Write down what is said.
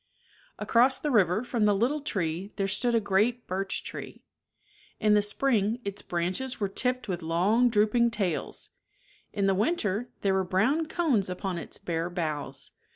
Across the river from the little tree there stood a great birch tree. In the spring its branches were tipped with long drooping tails, in the winter there were brown cones upon its bare boughs.